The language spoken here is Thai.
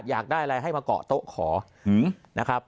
อยากได้อะไรให้มาเกาะโต๊ะขอนะครับ